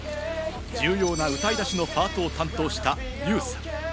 重要な歌い出しのパートを担当したユウさん。